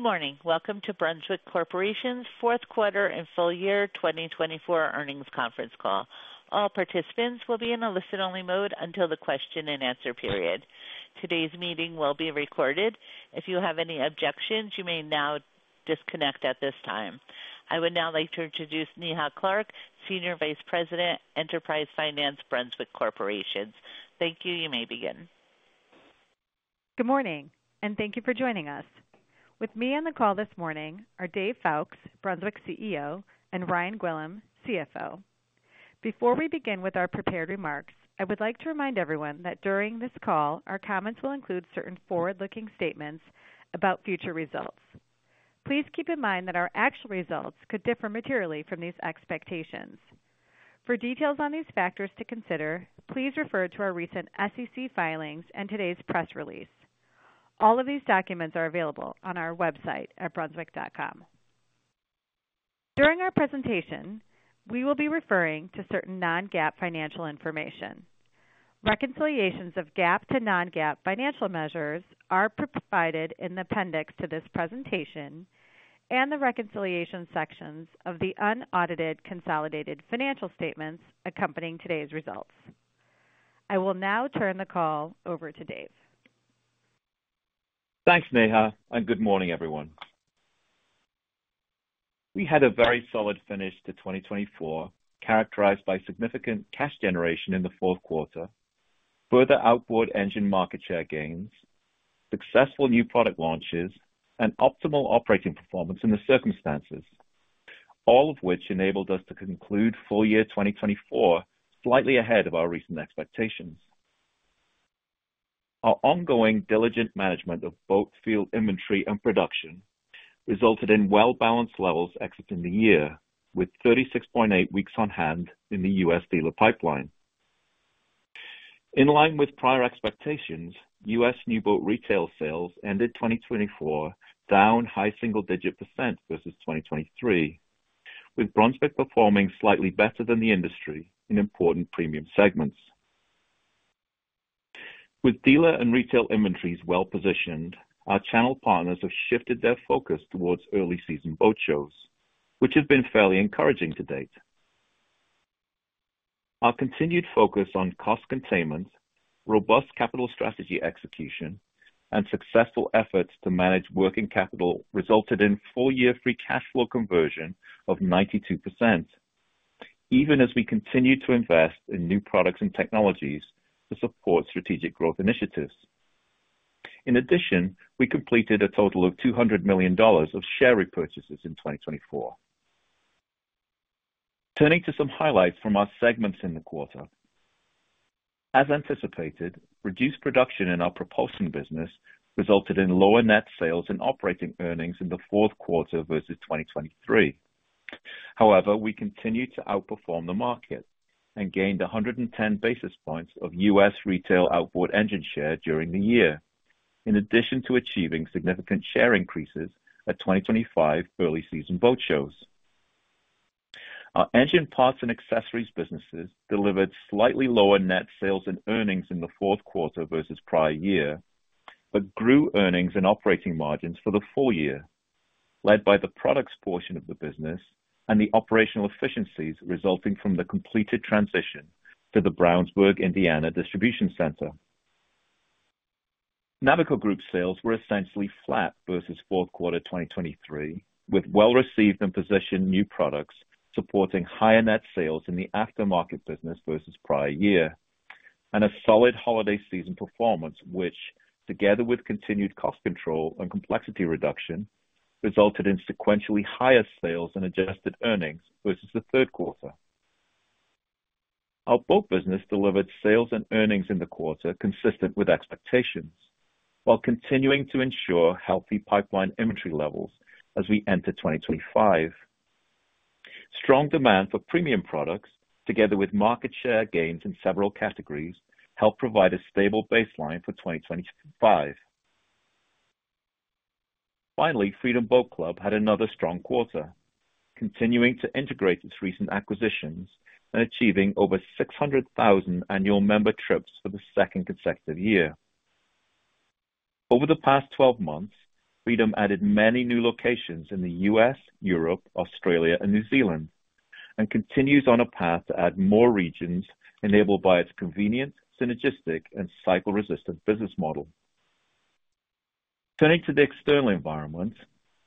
Good morning. Welcome to Brunswick Corporation's fourth quarter and full year 2024 earnings conference call. All participants will be in a listen-only mode until the question and answer period. Today's meeting will be recorded. If you have any objections, you may now disconnect at this time. I would now like to introduce Neha Clark, Senior Vice President, Enterprise Finance, Brunswick Corporation. Thank you. You may begin. Good morning, and thank you for joining us. With me on the call this morning are Dave Foulkes, Brunswick CEO, and Ryan Gwillim, CFO. Before we begin with our prepared remarks, I would like to remind everyone that during this call, our comments will include certain forward-looking statements about future results. Please keep in mind that our actual results could differ materially from these expectations. For details on these factors to consider, please refer to our recent SEC filings and today's press release. All of these documents are available on our website at brunswick.com. During our presentation, we will be referring to certain non-GAAP financial information. Reconciliations of GAAP to non-GAAP financial measures are provided in the appendix to this presentation and the reconciliation sections of the unaudited consolidated financial statements accompanying today's results. I will now turn the call over to Dave. Thanks, Neha, and good morning, everyone. We had a very solid finish to 2024, characterized by significant cash generation in the fourth quarter, further outboard engine market share gains, successful new product launches, and optimal operating performance in the circumstances, all of which enabled us to conclude full year 2024 slightly ahead of our recent expectations. Our ongoing diligent management of both field inventory and production resulted in well-balanced levels exiting the year, with 36.8 weeks on hand in the U.S. dealer pipeline. In line with prior expectations, U.S. new boat retail sales ended 2024 down high single-digit % versus 2023, with Brunswick performing slightly better than the industry in important premium segments. With dealer and retail inventories well positioned, our channel partners have shifted their focus towards early season boat shows, which has been fairly encouraging to date. Our continued focus on cost containment, robust capital strategy execution, and successful efforts to manage working capital resulted in full year free cash flow conversion of 92%, even as we continue to invest in new products and technologies to support strategic growth initiatives. In addition, we completed a total of $200 million of share repurchases in 2024. Turning to some highlights from our segments in the quarter, as anticipated, reduced production in our propulsion business resulted in lower net sales and operating earnings in the fourth quarter versus 2023. However, we continued to outperform the market and gained 110 basis points of U.S. retail outboard engine share during the year, in addition to achieving significant share increases at 2025 early season boat shows. Our engine parts and accessories businesses delivered slightly lower net sales and earnings in the fourth quarter versus prior year, but grew earnings and operating margins for the full year, led by the products portion of the business and the operational efficiencies resulting from the completed transition to the Brownsburg, Indiana distribution center. Navico Group sales were essentially flat versus fourth quarter 2023, with well-received and positioned new products supporting higher net sales in the aftermarket business versus prior year, and a solid holiday season performance, which, together with continued cost control and complexity reduction, resulted in sequentially higher sales and adjusted earnings versus the third quarter. Our boat business delivered sales and earnings in the quarter consistent with expectations, while continuing to ensure healthy pipeline inventory levels as we enter 2025. Strong demand for premium products, together with market share gains in several categories, helped provide a stable baseline for 2025. Finally, Freedom Boat Club had another strong quarter, continuing to integrate its recent acquisitions and achieving over 600,000 annual member trips for the second consecutive year. Over the past 12 months, Freedom added many new locations in the U.S., Europe, Australia, and New Zealand, and continues on a path to add more regions enabled by its convenient, synergistic, and cycle-resistant business model. Turning to the external environment,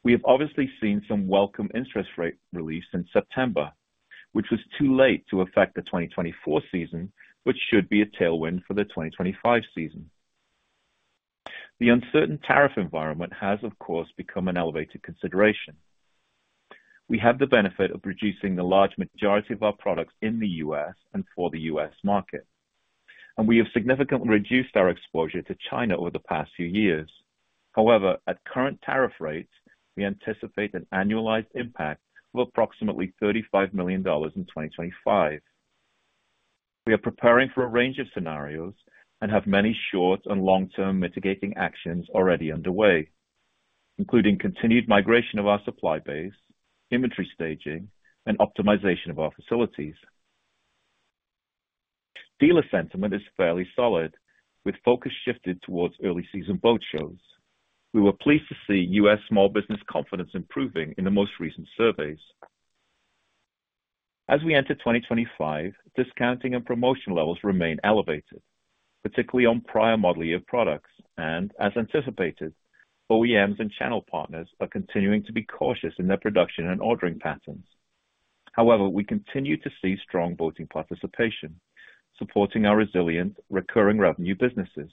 we have obviously seen some welcome interest rate relief in September, which was too late to affect the 2024 season, which should be a tailwind for the 2025 season. The uncertain tariff environment has, of course, become an elevated consideration. We have the benefit of producing the large majority of our products in the U.S. and for the U.S. market, and we have significantly reduced our exposure to China over the past few years. However, at current tariff rates, we anticipate an annualized impact of approximately $35 million in 2025. We are preparing for a range of scenarios and have many short and long-term mitigating actions already underway, including continued migration of our supply base, inventory staging, and optimization of our facilities. Dealer sentiment is fairly solid, with focus shifted towards early season boat shows. We were pleased to see U.S. small business confidence improving in the most recent surveys. As we enter 2025, discounting and promotion levels remain elevated, particularly on prior model year products, and as anticipated, OEMs and channel partners are continuing to be cautious in their production and ordering patterns. However, we continue to see strong boating participation, supporting our resilient recurring revenue businesses.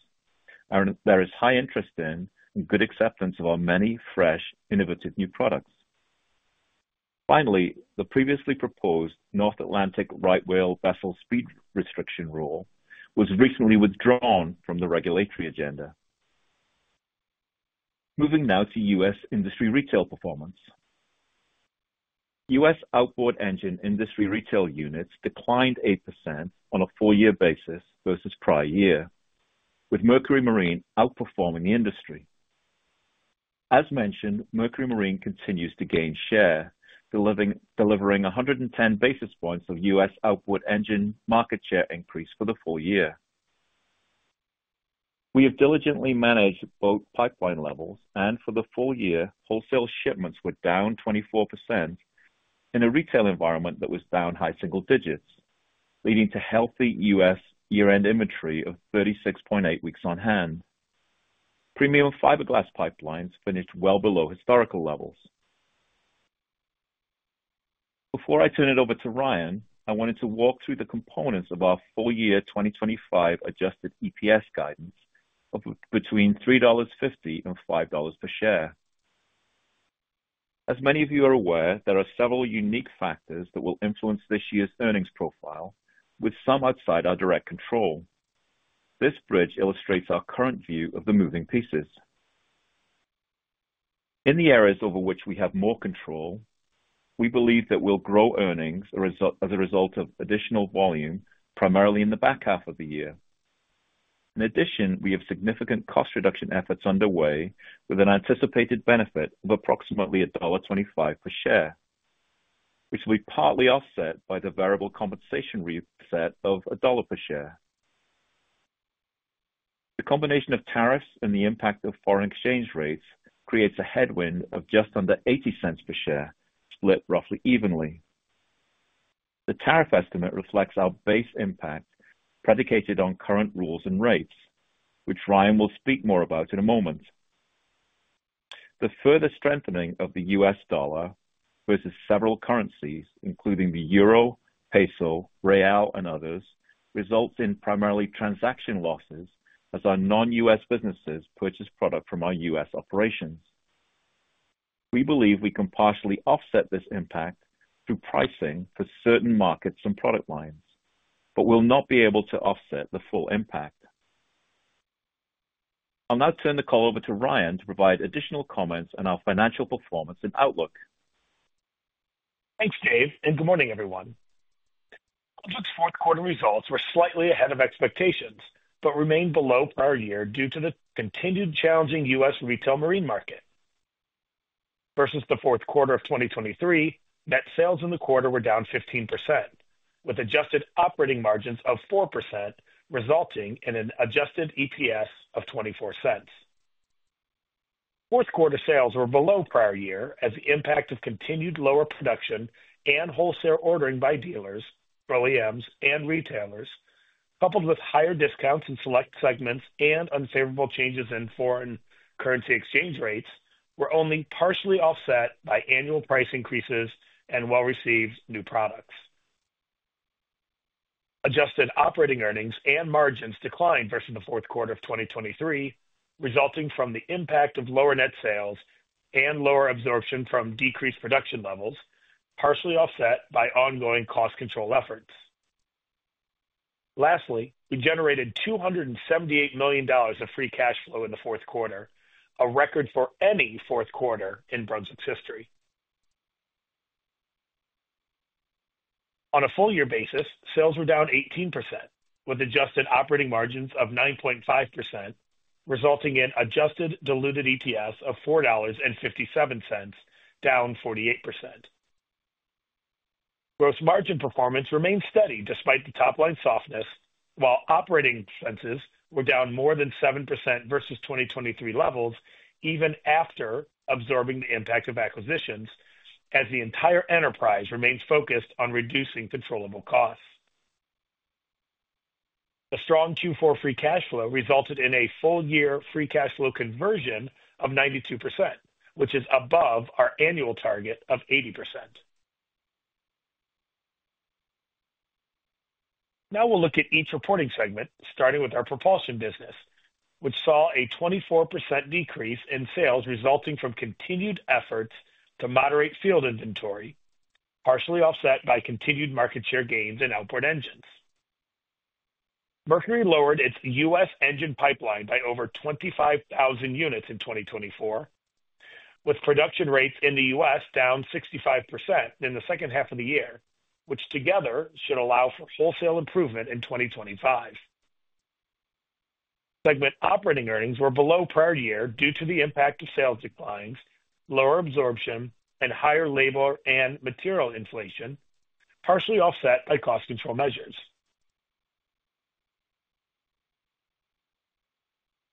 There is high interest in and good acceptance of our many fresh, innovative new products. Finally, the previously proposed North Atlantic right whale vessel speed restriction rule was recently withdrawn from the regulatory agenda. Moving now to U.S. industry retail performance. U.S. outboard engine industry retail units declined 8% on a full year basis versus prior year, with Mercury Marine outperforming the industry. As mentioned, Mercury Marine continues to gain share, delivering 110 basis points of U.S. outboard engine market share increase for the full year. We have diligently managed both pipeline levels and for the full year, wholesale shipments were down 24% in a retail environment that was down high single digits, leading to healthy U.S. year-end inventory of 36.8 weeks on hand. Premium fiberglass pipelines finished well below historical levels. Before I turn it over to Ryan, I wanted to walk through the components of our full year 2025 Adjusted EPS guidance of between $3.50 and $5 per share. As many of you are aware, there are several unique factors that will influence this year's earnings profile, with some outside our direct control. This bridge illustrates our current view of the moving pieces. In the areas over which we have more control, we believe that we'll grow earnings as a result of additional volume, primarily in the back half of the year. In addition, we have significant cost reduction efforts underway, with an anticipated benefit of approximately $1.25 per share, which will be partly offset by the variable compensation reset of $1 per share. The combination of tariffs and the impact of foreign exchange rates creates a headwind of just under $0.80 per share, split roughly evenly. The tariff estimate reflects our base impact predicated on current rules and rates, which Ryan will speak more about in a moment. The further strengthening of the U.S. dollar versus several currencies, including the euro, peso, real, and others, results in primarily transaction losses as our non-U.S. businesses purchase product from our U.S. operations. We believe we can partially offset this impact through pricing for certain markets and product lines, but we'll not be able to offset the full impact. I'll now turn the call over to Ryan to provide additional comments on our financial performance and outlook. Thanks, Dave, and good morning, everyone. Brunswick's fourth quarter results were slightly ahead of expectations but remained below prior year due to the continued challenging U.S. retail marine market. Versus the fourth quarter of 2023, net sales in the quarter were down 15%, with adjusted operating margins of 4%, resulting in an adjusted EPS of $0.24. Fourth quarter sales were below prior year as the impact of continued lower production and wholesale ordering by dealers, OEMs, and retailers, coupled with higher discounts in select segments and unfavorable changes in foreign currency exchange rates, were only partially offset by annual price increases and well-received new products. Adjusted operating earnings and margins declined versus the fourth quarter of 2023, resulting from the impact of lower net sales and lower absorption from decreased production levels, partially offset by ongoing cost control efforts. Lastly, we generated $278 million of free cash flow in the fourth quarter, a record for any fourth quarter in Brunswick's history. On a full year basis, sales were down 18%, with adjusted operating margins of 9.5%, resulting in adjusted diluted EPS of $4.57, down 48%. Gross margin performance remained steady despite the top line softness, while operating expenses were down more than 7% versus 2023 levels, even after absorbing the impact of acquisitions, as the entire enterprise remains focused on reducing controllable costs. A strong Q4 free cash flow resulted in a full year free cash flow conversion of 92%, which is above our annual target of 80%. Now we'll look at each reporting segment, starting with our propulsion business, which saw a 24% decrease in sales resulting from continued efforts to moderate field inventory, partially offset by continued market share gains in outboard engines. Mercury lowered its U.S. engine pipeline by over 25,000 units in 2024, with production rates in the U.S. down 65% in the second half of the year, which together should allow for wholesale improvement in 2025. Segment operating earnings were below prior year due to the impact of sales declines, lower absorption, and higher labor and material inflation, partially offset by cost control measures.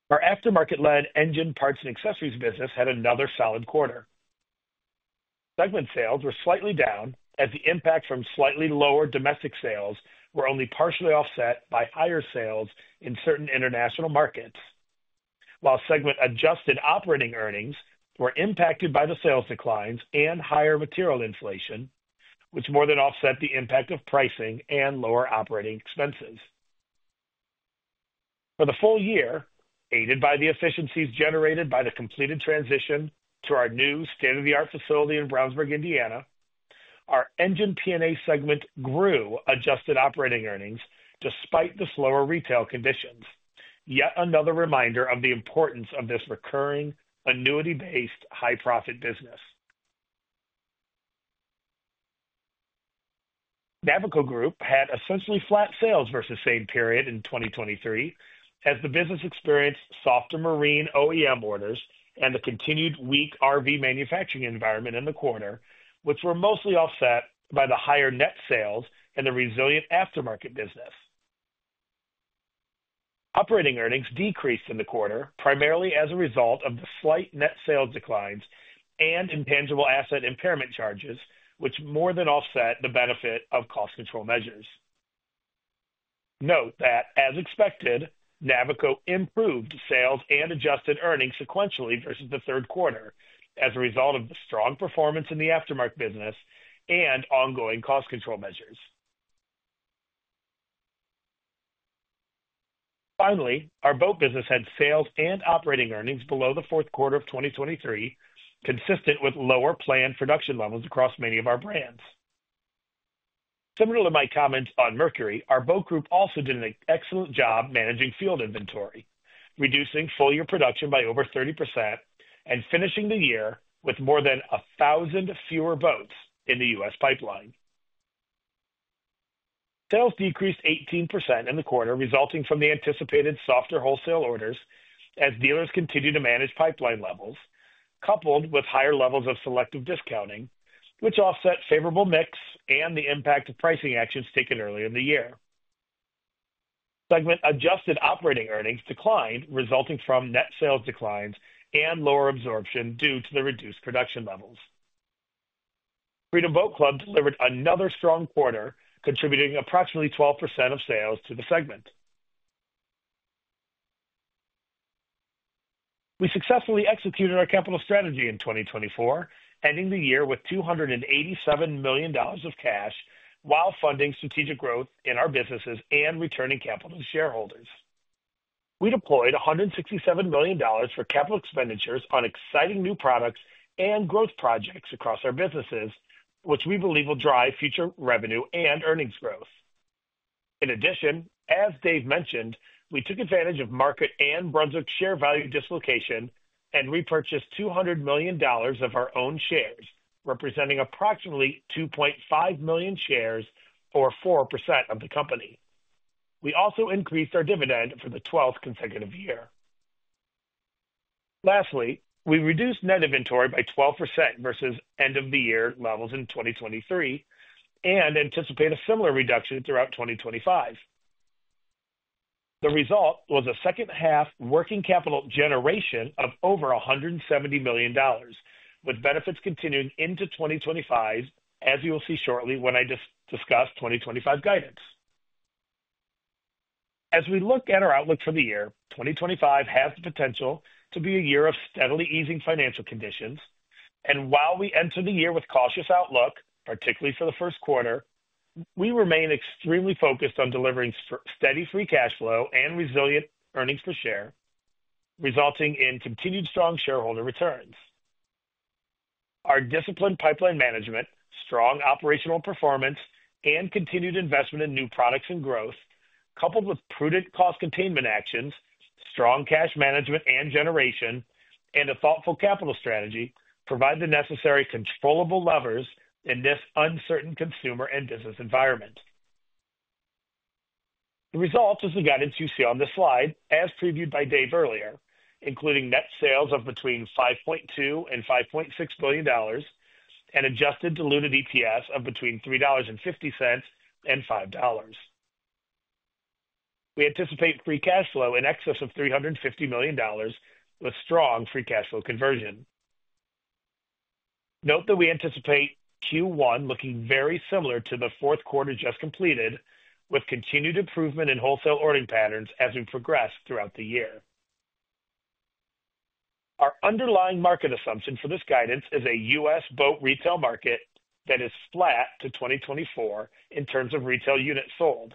Our aftermarket-led engine parts and accessories business had another solid quarter. Segment sales were slightly down as the impact from slightly lower domestic sales were only partially offset by higher sales in certain international markets, while segment adjusted operating earnings were impacted by the sales declines and higher material inflation, which more than offset the impact of pricing and lower operating expenses. For the full year, aided by the efficiencies generated by the completed transition to our new state-of-the-art facility in Brownsburg, Indiana, our engine P&A segment grew adjusted operating earnings despite the slower retail conditions, yet another reminder of the importance of this recurring annuity-based high-profit business. Navico Group had essentially flat sales versus same period in 2023, as the business experienced softer marine OEM orders and the continued weak RV manufacturing environment in the quarter, which were mostly offset by the higher net sales and the resilient aftermarket business. Operating earnings decreased in the quarter, primarily as a result of the slight net sales declines and intangible asset impairment charges, which more than offset the benefit of cost control measures. Note that, as expected, Navico improved sales and adjusted earnings sequentially versus the third quarter as a result of the strong performance in the aftermarket business and ongoing cost control measures. Finally, our boat business had sales and operating earnings below the fourth quarter of 2023, consistent with lower planned production levels across many of our brands. Similar to my comments on Mercury, our boat group also did an excellent job managing field inventory, reducing full year production by over 30% and finishing the year with more than 1,000 fewer boats in the U.S. pipeline. Sales decreased 18% in the quarter, resulting from the anticipated softer wholesale orders as dealers continued to manage pipeline levels, coupled with higher levels of selective discounting, which offset favorable mix and the impact of pricing actions taken earlier in the year. Segment adjusted operating earnings declined, resulting from net sales declines and lower absorption due to the reduced production levels. Freedom Boat Club delivered another strong quarter, contributing approximately 12% of sales to the segment. We successfully executed our capital strategy in 2024, ending the year with $287 million of cash while funding strategic growth in our businesses and returning capital to shareholders. We deployed $167 million for capital expenditures on exciting new products and growth projects across our businesses, which we believe will drive future revenue and earnings growth. In addition, as Dave mentioned, we took advantage of market and Brunswick share value dislocation and repurchased $200 million of our own shares, representing approximately 2.5 million shares or 4% of the company. We also increased our dividend for the 12th consecutive year. Lastly, we reduced net inventory by 12% versus end-of-the-year levels in 2023 and anticipate a similar reduction throughout 2025. The result was a second-half working capital generation of over $170 million, with benefits continuing into 2025, as you will see shortly when I discuss 2025 guidance. As we look at our outlook for the year, 2025 has the potential to be a year of steadily easing financial conditions, and while we enter the year with cautious outlook, particularly for the first quarter, we remain extremely focused on delivering steady free cash flow and resilient earnings per share, resulting in continued strong shareholder returns. Our disciplined pipeline management, strong operational performance, and continued investment in new products and growth, coupled with prudent cost containment actions, strong cash management and generation, and a thoughtful capital strategy provide the necessary controllable levers in this uncertain consumer and business environment. The result is the guidance you see on this slide, as previewed by Dave earlier, including net sales of between $5.2-$5.6 billion and adjusted diluted EPS of between $3.50-$5. We anticipate free cash flow in excess of $350 million, with strong free cash flow conversion. Note that we anticipate Q1 looking very similar to the fourth quarter just completed, with continued improvement in wholesale ordering patterns as we progress throughout the year. Our underlying market assumption for this guidance is a U.S. boat retail market that is flat to 2024 in terms of retail units sold.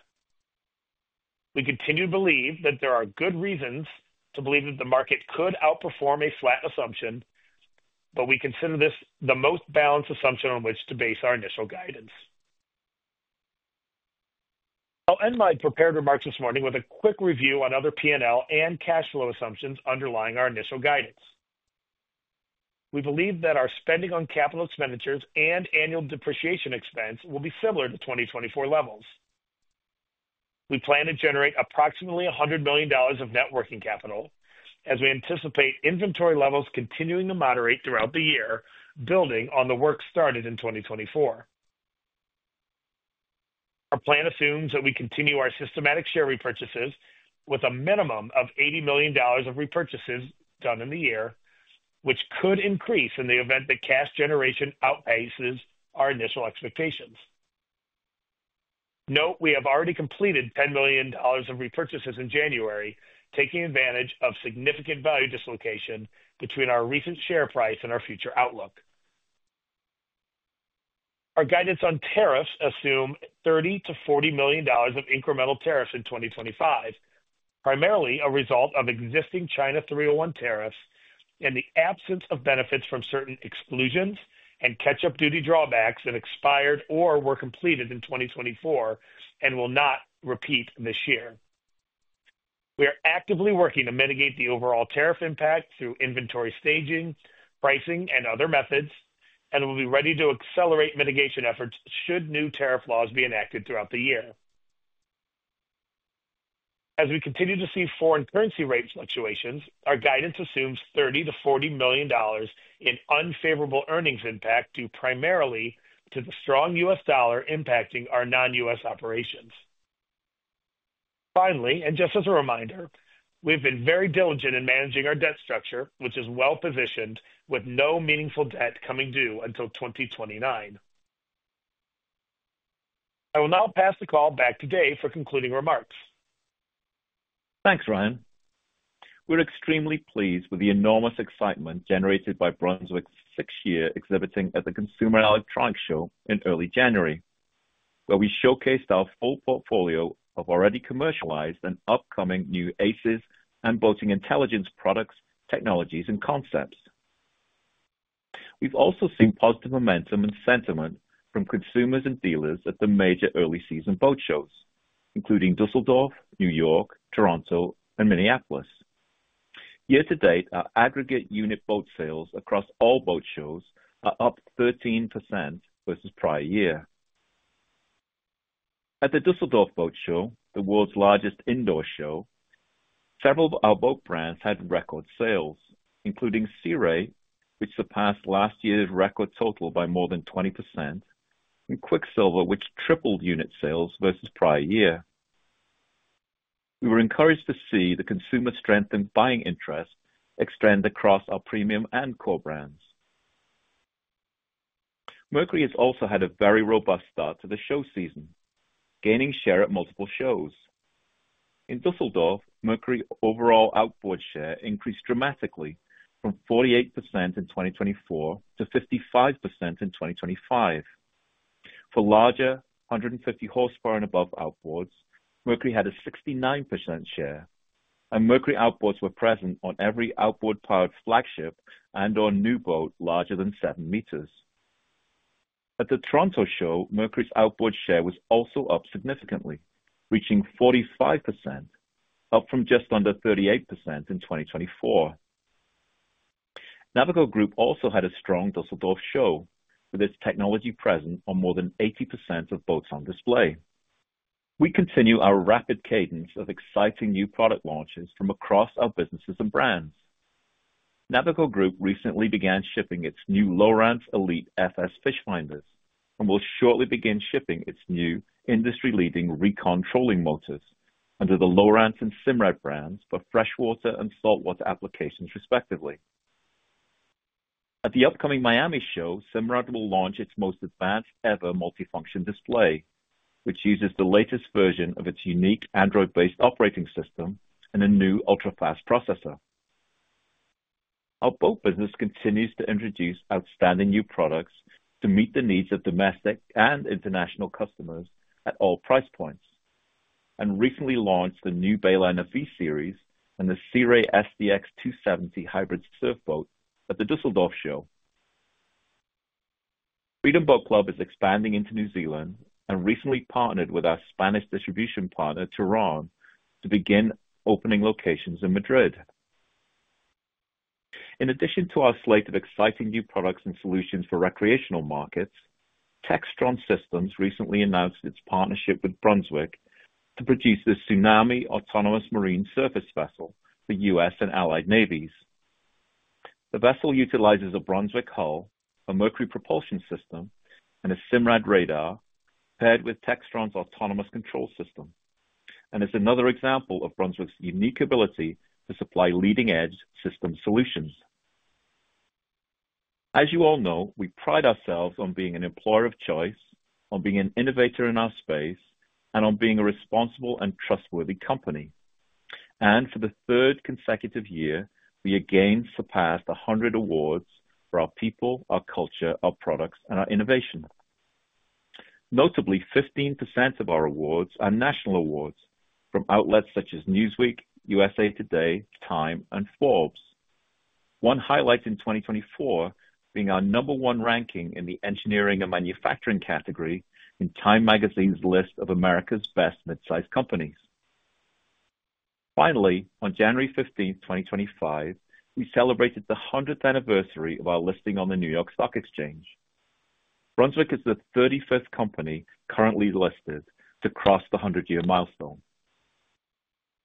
We continue to believe that there are good reasons to believe that the market could outperform a flat assumption, but we consider this the most balanced assumption on which to base our initial guidance. I'll end my prepared remarks this morning with a quick review on other P&L and cash flow assumptions underlying our initial guidance. We believe that our spending on capital expenditures and annual depreciation expense will be similar to 2024 levels. We plan to generate approximately $100 million of net working capital as we anticipate inventory levels continuing to moderate throughout the year, building on the work started in 2024. Our plan assumes that we continue our systematic share repurchases with a minimum of $80 million of repurchases done in the year, which could increase in the event that cash generation outpaces our initial expectations. Note we have already completed $10 million of repurchases in January, taking advantage of significant value dislocation between our recent share price and our future outlook. Our guidance on tariffs assumes $30-$40 million of incremental tariffs in 2025, primarily a result of existing China 301 tariffs and the absence of benefits from certain exclusions and catch-up duty drawbacks that expired or were completed in 2024 and will not repeat this year. We are actively working to mitigate the overall tariff impact through inventory staging, pricing, and other methods, and will be ready to accelerate mitigation efforts should new tariff laws be enacted throughout the year. As we continue to see foreign currency rate fluctuations, our guidance assumes $30-$40 million in unfavorable earnings impact due primarily to the strong U.S. dollar impacting our non-U.S. operations. Finally, and just as a reminder, we've been very diligent in managing our debt structure, which is well-positioned with no meaningful debt coming due until 2029. I will now pass the call back to Dave for concluding remarks. Thanks, Ryan. We're extremely pleased with the enormous excitement generated by Brunswick's sixth year exhibiting at the Consumer Electronics Show in early January, where we showcased our full portfolio of already commercialized and upcoming new ACES and Boating Intelligence products, technologies, and concepts. We've also seen positive momentum and sentiment from consumers and dealers at the major early season boat shows, including Düsseldorf, New York, Toronto, and Minneapolis. Year-to-date, our aggregate unit boat sales across all boat shows are up 13% versus prior year. At the Düsseldorf boat show, the world's largest indoor show, several of our boat brands had record sales, including Sea Ray, which surpassed last year's record total by more than 20%, and Quicksilver, which tripled unit sales versus prior year. We were encouraged to see the consumer strength and buying interest extend across our premium and core brands. Mercury has also had a very robust start to the show season, gaining share at multiple shows. In Düsseldorf, Mercury's overall outboard share increased dramatically from 48% in 2024 to 55% in 2025. For larger 150 horsepower and above outboards, Mercury had a 69% share, and Mercury outboards were present on every outboard-powered flagship and on new boat larger than 7 meters. At the Toronto show, Mercury's outboard share was also up significantly, reaching 45%, up from just under 38% in 2024. Navico Group also had a strong Düsseldorf show, with its technology present on more than 80% of boats on display. We continue our rapid cadence of exciting new product launches from across our businesses and brands. Navico Group recently began shipping its new Lowrance Elite FS fish finders and will shortly begin shipping its new industry-leading Recon trolling motors under the Lowrance and Simrad brands for freshwater and saltwater applications, respectively. At the upcoming Miami show, Simrad will launch its most advanced ever multifunction display, which uses the latest version of its unique Android-based operating system and a new ultra-fast processor. Our boat business continues to introduce outstanding new products to meet the needs of domestic and international customers at all price points and recently launched the new Bayliner V Series and the Sea Ray SDX 270 hybrid surf boat at the Düsseldorf show. Freedom Boat Club is expanding into New Zealand and recently partnered with our Spanish distribution partner, Touron, to begin opening locations in Madrid. In addition to our slate of exciting new products and solutions for recreational markets, Textron Systems recently announced its partnership with Brunswick to produce the Tsunami autonomous marine surface vessel for U.S. and allied navies. The vessel utilizes a Brunswick hull, a Mercury propulsion system, and a Simrad radar paired with Textron's autonomous control system and is another example of Brunswick's unique ability to supply leading-edge system solutions. As you all know, we pride ourselves on being an employer of choice, on being an innovator in our space, and on being a responsible and trustworthy company, and for the third consecutive year, we again surpassed 100 awards for our people, our culture, our products, and our innovation. Notably, 15% of our awards are national awards from outlets such as Newsweek, USA Today, Time, and Forbes, one highlight in 2024 being our number one ranking in the engineering and manufacturing category in Time Magazine's list of America's best midsize companies. Finally, on January 15th, 2025, we celebrated the 100th anniversary of our listing on the New York Stock Exchange. Brunswick is the 35th company currently listed to cross the 100-year milestone.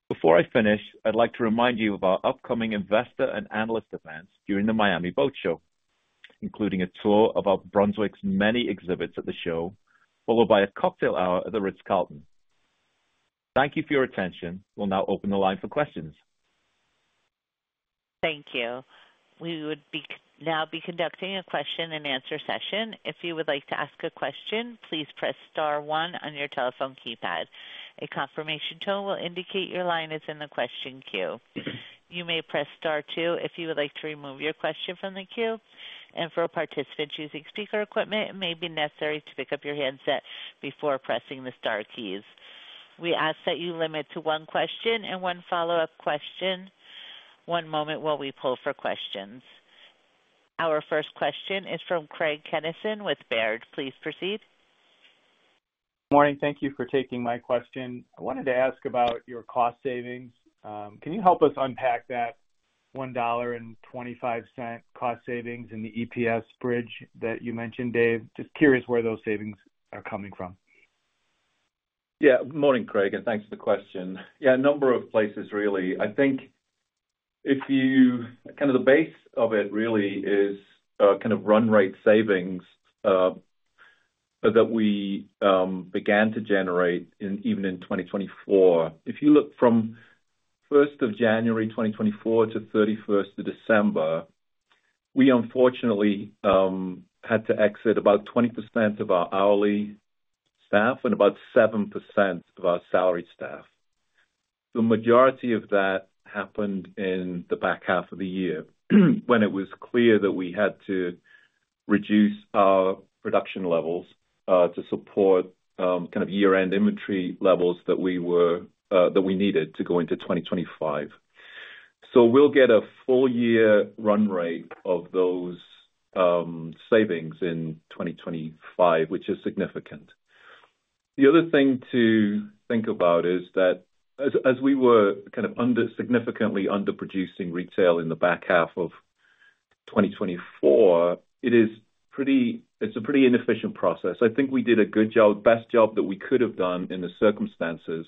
Before I finish, I'd like to remind you of our upcoming investor and analyst events during the Miami Boat Show, including a tour of Brunswick's many exhibits at the show, followed by a cocktail hour at the Ritz-Carlton. Thank you for your attention. We'll now open the line for questions. Thank you. We would now be conducting a question-and-answer session. If you would like to ask a question, please press Star 1 on your telephone keypad. A confirmation tone will indicate your line is in the question queue. You may press Star 2 if you would like to remove your question from the queue. And for participants using speaker equipment, it may be necessary to pick up your handset before pressing the Star keys. We ask that you limit to one question and one follow-up question. One moment while we pull for questions. Our first question is from Craig Kennison with Baird. Please proceed. Morning. Thank you for taking my question. I wanted to ask about your cost savings. Can you help us unpack that $1.25 cost savings in the EPS bridge that you mentioned, Dave? Just curious where those savings are coming from. Yeah. Morning, Craig, and thanks for the question. Yeah, a number of places, really. I think if you the base of it really is run rate savings that we began to generate even in 2024. If you look from 1st of January, 2024, to 31st of December, we unfortunately had to exit about 20% of our hourly staff and about 7% of our salaried staff. The majority of that happened in the back half of the year when it was clear that we had to reduce our production levels to support year-end inventory levels that we needed to go into 2025. So we'll get a full-year run rate of those savings in 2025, which is significant. The other thing to think about is that as we were significantly underproducing retail in the back half of 2024, it's a pretty inefficient process. I think we did a good job, best job that we could have done in the circumstances,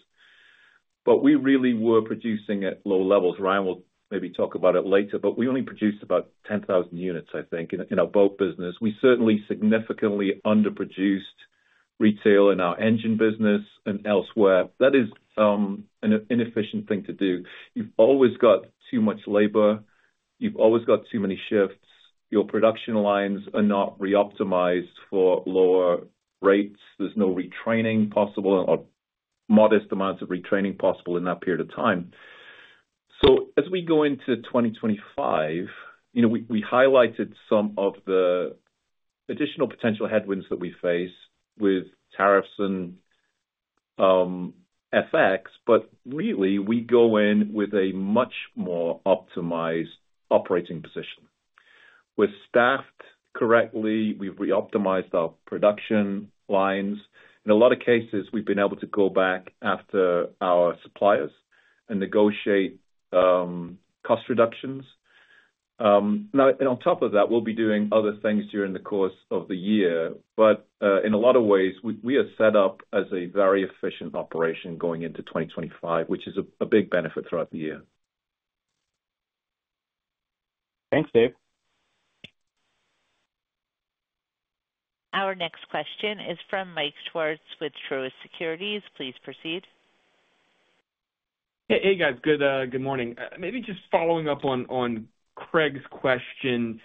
but we really were producing at low levels. Ryan will maybe talk about it later, but we only produced about 10,000 units, I think, in our boat business. We certainly significantly underproduced retail in our engine business and elsewhere. That is an inefficient thing to do. You've always got too much labor. You've always got too many shifts. Your production lines are not reoptimized for lower rates. There's no retraining possible or modest amounts of retraining possible in that period of time. So as we go into 2025, we highlighted some of the additional potential headwinds that we face with tariffs and FX, but really, we go in with a much more optimized operating position. We're staffed correctly. We've reoptimized our production lines. In a lot of cases, we've been able to go back after our suppliers and negotiate cost reductions. Now, on top of that, we'll be doing other things during the course of the year. But in a lot of ways, we are set up as a very efficient operation going into 2025, which is a big benefit throughout the year. Thanks, Dave. Our next question is from Mike Schwartz with Truist Securities. Please proceed. Hey, guys. Good morning. Maybe just following up on Craig's question,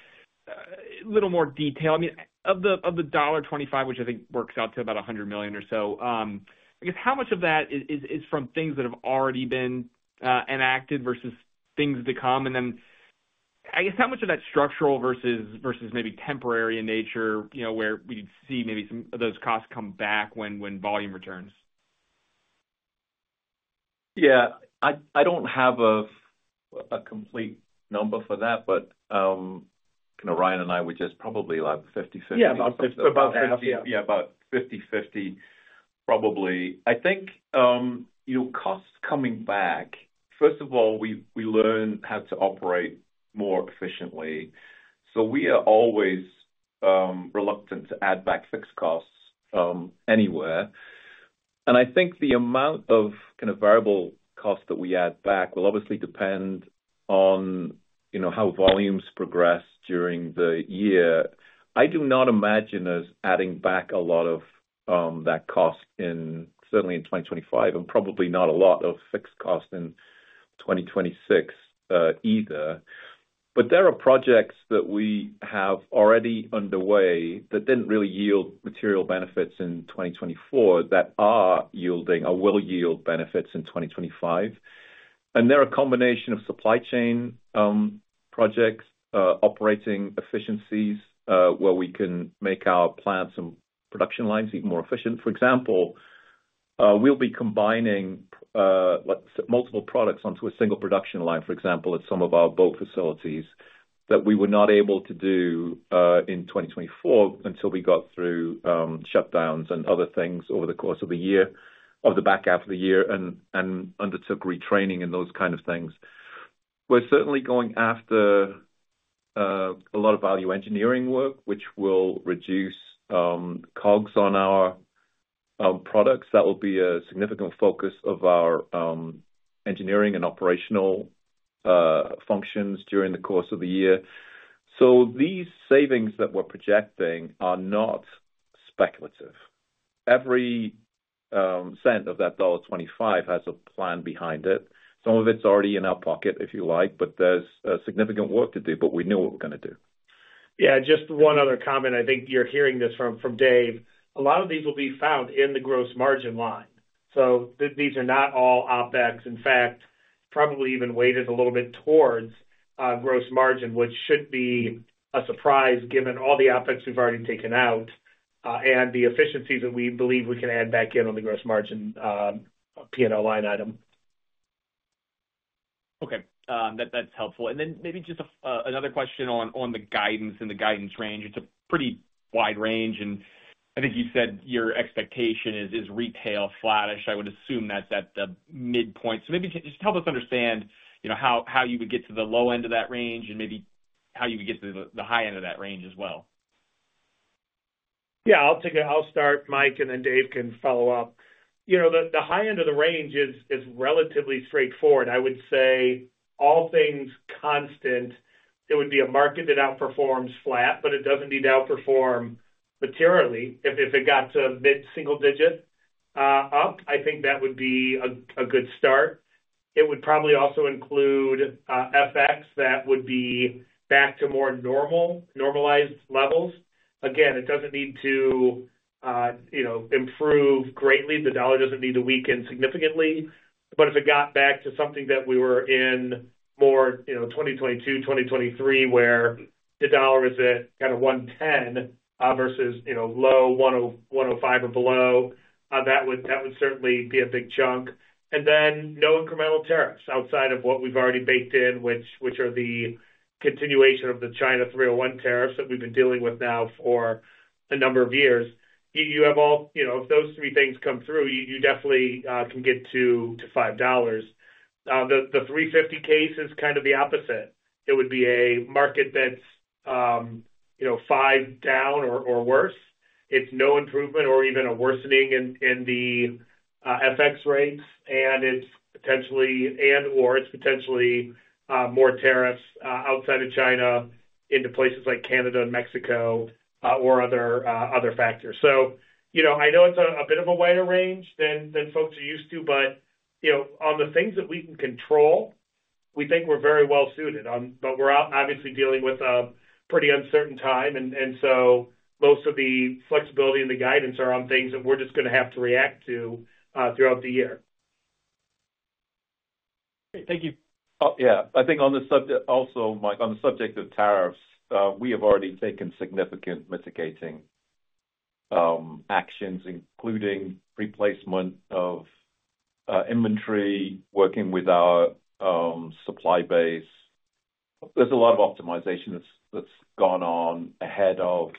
a little more detail. I mean, of the $1.25, which I think works out to about 100 million or so, I guess how much of that is from things that have already been enacted versus things to come? Then I guess how much of that's structural versus maybe temporary in nature where we'd see maybe some of those costs come back when volume returns? Yeah. I don't have a complete number for that, but Ryan and I would just probably like 50/50. Yeah, about 50/50. Yeah, about 50/50, probably. I think costs coming back, first of all, we learn how to operate more efficiently, so we are always reluctant to add back fixed costs anywhere, and I think the amount of variable costs that we add back will obviously depend on how volumes progress during the year. I do not imagine us adding back a lot of that cost certainly in 2025 and probably not a lot of fixed cost in 2026 either, but there are projects that we have already underway that didn't really yield material benefits in 2024 that are yielding or will yield benefits in 2025, and there are a combination of supply chain projects, operating efficiencies where we can make our plants and production lines even more efficient. For example, we'll be combining multiple products onto a single production line, for example, at some of our boat facilities that we were not able to do in 2024 until we got through shutdowns and other things over the course of the year, of the back half of the year, and undertook retraining and those things. We're certainly going after a lot of value engineering work, which will reduce COGS on our products. That will be a significant focus of our engineering and operational functions during the course of the year. These savings that we're projecting are not speculative. Every cent of that $1.25 has a plan behind it. Some of it's already in our pocket, if you like, but there's significant work to do, but we know what we're going to do. Yeah. Just one other comment. I think you're hearing this from Dave. A lot of these will be found in the gross margin line. So these are not all OPEX. In fact, probably even weighted a little bit towards gross margin, which should be a surprise given all the OPEX we've already taken out and the efficiencies that we believe we can add back in on the gross margin P&L line item. Okay. That's helpful. Then maybe just another question on the guidance and the guidance range. It's a pretty wide range. I think you said your expectation is retail flattish. I would assume that's at the midpoint. Maybe just help us understand how you would get to the low end of that range and maybe how you would get to the high end of that range as well. Yeah. I'll start, Mike, and then Dave can follow up. The high end of the range is relatively straightforward. I would say all things constant, it would be a market that outperforms flat, but it doesn't need to outperform materially if it got to mid-single digit up. I think that would be a good start. It would probably also include FX that would be back to more normalized levels. Again, it doesn't need to improve greatly. The dollar doesn't need to weaken significantly. But if it got back to something that we were in more 2022, 2023, where the dollar was at110 versus low 105 or below, that would certainly be a big chunk. Then no incremental tariffs outside of what we've already baked in, which are the continuation of the China 301 tariffs that we've been dealing with now for a number of years. You have all of those three things come through, you definitely can get to $5. The $3.50 case is the opposite. It would be a market that's 5% down or worse. It's no improvement or even a worsening in the FX rates, and it's potentially and/or more tariffs outside of China into places like Canada and Mexico or other factors. So I know it's a bit of a wider range than folks are used to, but on the things that we can control, we think we're very well suited, but we're obviously dealing with a pretty uncertain time, and so most of the flexibility and the guidance are on things that we're just going to have to react to throughout the year. Great. Thank you. Yeah. I think on the subject also, Mike, on the subject of tariffs, we have already taken significant mitigating actions, including replacement of inventory, working with our supply base. There's a lot of optimization that's gone on ahead of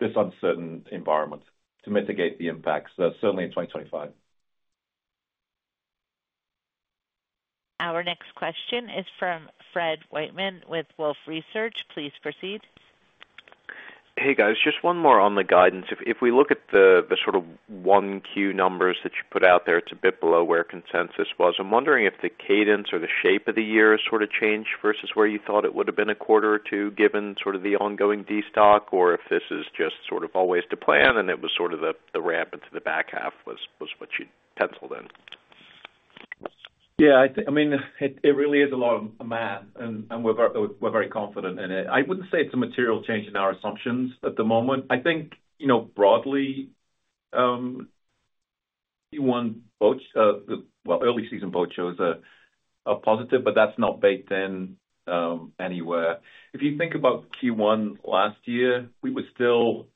this uncertain environment to mitigate the impacts certainly in 2025. Our next question is from Fred Whitman with Wolf Research. Please proceed. Hey, guys. Just one more on the guidance. If we look at the Q1 numbers that you put out there, it's a bit below where consensus was. I'm wondering if the cadence or the shape of the year has changed versus where you thought it would have been a quarter or two given the ongoing destock, or if this is just always the plan and it wasthe ramp into the back half was what you penciled in? Yeah. I mean, it really is a lot of math, and we're very confident in it. I wouldn't say it's a material change in our assumptions at the moment. I think broadly, Q1 boats, well, early season boat shows, are positive, but that's not baked in anywhere. If you think about Q1 last year, we were still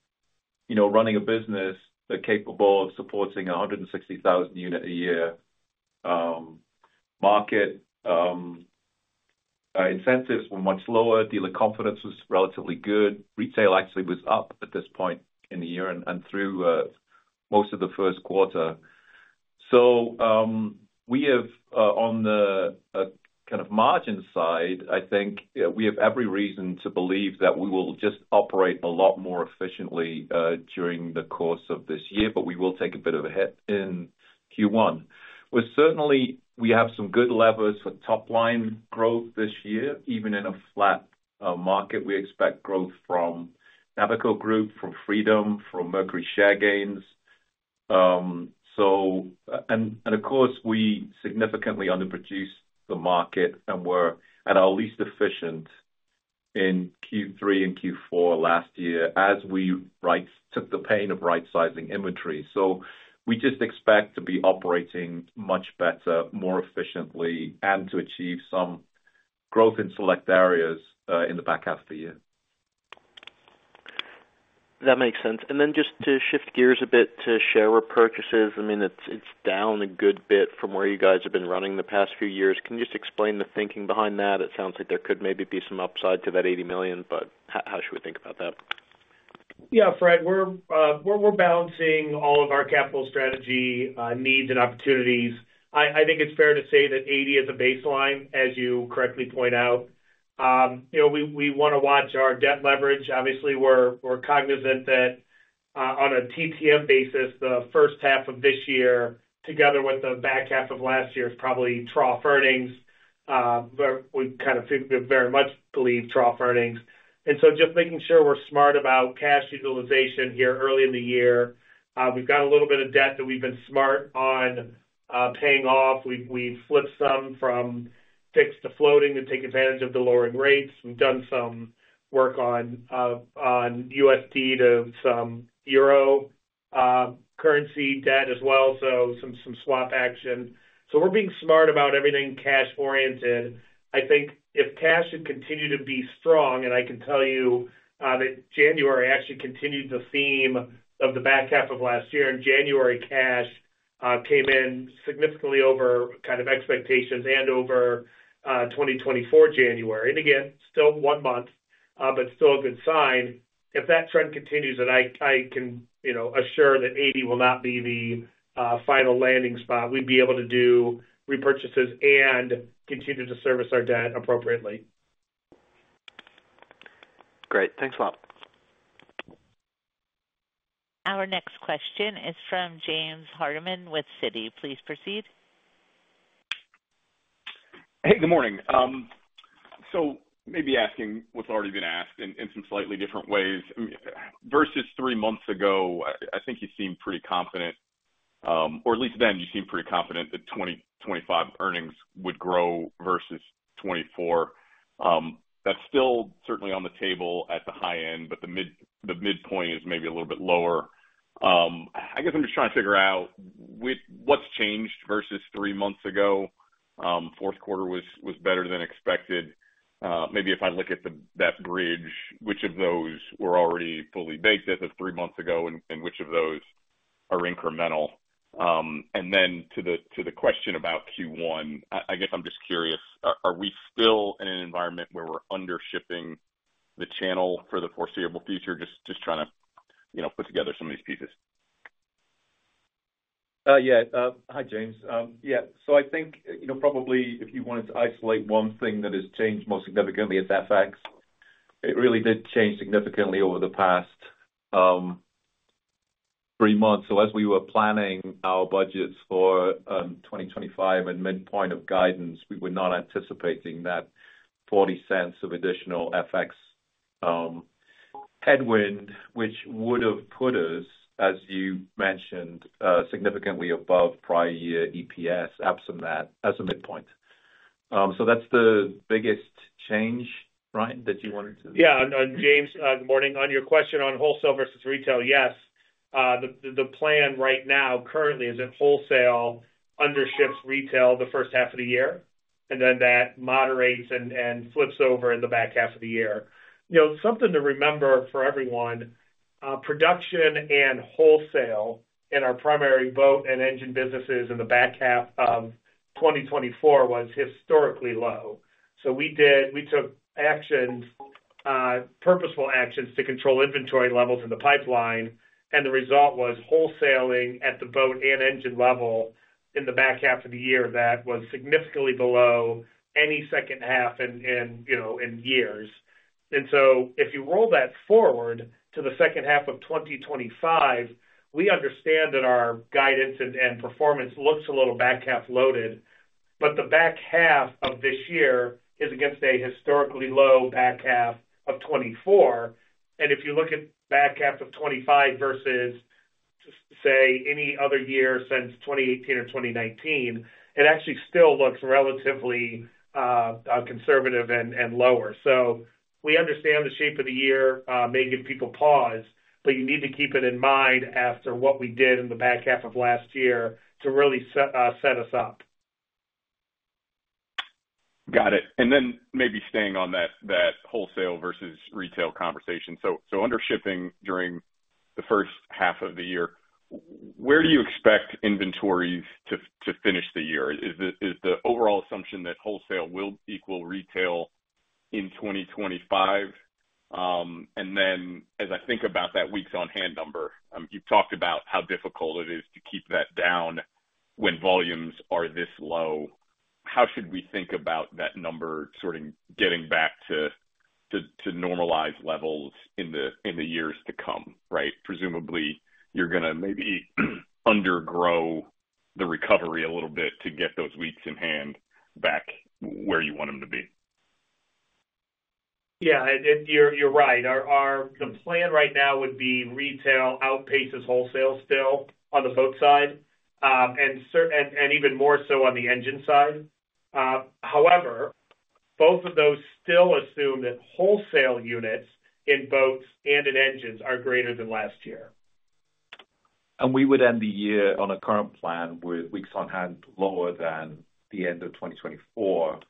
running a business that's capable of supporting a 160,000-unit-a-year market. Incentives were much lower. Dealer confidence was relatively good. Retail actually was up at this point in the year and through most of the first quarter. So we have, on the margin side, I think we have every reason to believe that we will just operate a lot more efficiently during the course of this year, but we will take a bit of a hit in Q1. Certainly, we have some good levers for top-line growth this year. Even in a flat market, we expect growth from Navico Group, from Freedom, from Mercury Share Gains. We significantly underproduced the market and were at our least efficient in Q3 and Q4 last year as we took the pain of rightsizing inventory. So we just expect to be operating much better, more efficiently, and to achieve some growth in select areas in the back half of the year. That makes sense. Then just to shift gears a bit to share repurchases, I mean, it's down a good bit from where you guys have been running the past few years. Can you just explain the thinking behind that? It sounds like there could maybe be some upside to that $80 million, but how should we think about that? Yeah, Fred, we're balancing all of our capital strategy needs and opportunities. I think it's fair to say that 80 is a baseline, as you correctly point out. We want to watch our debt leverage. Obviously, we're cognizant that on a TTM basis, the first half of this year together with the back half of last year is probably trough earnings. We very much believe trough earnings. Just making sure we're smart about cash utilization here early in the year. We've got a little bit of debt that we've been smart on paying off. We've flipped some from fixed to floating to take advantage of the lowering rates. We've done some work on USD to some euro currency debt as well, so some swap action. So we're being smart about everything cash-oriented. I think if cash should continue to be strong, and I can tell you that January actually continued the theme of the back half of last year, and January cash came in significantly over expectations and over 2024 January, and again, still one month, but still a good sign. If that trend continues, and I can assure that 80 will not be the final landing spot, we'd be able to do repurchases and continue to service our debt appropriately. Great. Thanks a lot. Our next question is from James Hardiman with Citi. Please proceed. Hey, good morning. Maybe asking what's already been asked in some slightly different ways. Versus three months ago, I think you seemed pretty confident, or at least then you seemed pretty confident that 2025 earnings would grow versus 2024. That's still certainly on the table at the high end, but the midpoint is maybe a little bit lower. I guess I'm just trying to figure out what's changed versus three months ago. Fourth quarter was better than expected. Maybe if I look at that bridge, which of those were already fully baked as of three months ago, and which of those are incremental? Then to the question about Q1, I guess I'm just curious, are we still in an environment where we're undershipping the channel for the foreseeable future? Just trying to put together some of these pieces. Yeah. Hi, James. Yeah. So I think probably if you wanted to isolate one thing that has changed most significantly, it's FX. It really did change significantly over the past three months. So as we were planning our budgets for 2025 and midpoint of guidance, we were not anticipating that $0.40 of additional FX headwind, which would have put us, as you mentioned, significantly above prior year EPS, absent that as a midpoint. So that's the biggest change, right, that you wanted to? Yeah. James, good morning. On your question on wholesale versus retail, yes. The plan right now currently is that wholesale under-ships retail the first half of the year, and then that moderates and flips over in the back half of the year. Something to remember for everyone, production and wholesale in our primary boat and engine businesses in the back half of 2024 was historically low. So we took purposeful actions to control inventory levels in the pipeline, and the result was wholesaling at the boat and engine level in the back half of the year that was significantly below any second half in years. If you roll that forward to the second half of 2025, we understand that our guidance and performance looks a little back half loaded, but the back half of this year is against a historically low back half of 2024. If you look at back half of 2025 versus, say, any other year since 2018 or 2019, it actually still looks relatively conservative and lower. So we understand the shape of the year may give people pause, but you need to keep it in mind after what we did in the back half of last year to really set us up. Got it. Then maybe staying on that wholesale versus retail conversation. Undershipping during the first half of the year, where do you expect inventories to finish the year? Is the overall assumption that wholesale will equal retail in 2025? Then as I think about that weeks on hand number, you've talked about how difficult it is to keep that down when volumes are this low. How should we think about that number getting back to normalized levels in the years to come, right? Presumably, you're going to maybe undergrow the recovery a little bit to get those weeks in hand back where you want them to be. Yeah. You're right. The plan right now would be retail outpaces wholesale still on the boat side and even more so on the engine side. However, both of those still assume that wholesale units in boats and in engines are greater than last year. We would end the year on a current plan with weeks on hand lower than the end of 2024.